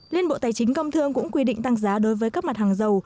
liên bộ tài chính công thương cũng quy định tăng giá đối với các mặt hàng dầu